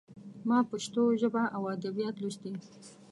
ما پښتو ژبه او ادبيات لوستي.